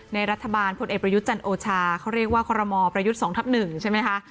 ในรัฐบาลพลเอกประยุทธ์จันโอชาเขาเรียกว่าคอรมอประยุทธ์๒ทับ๑ใช่ไหมคะ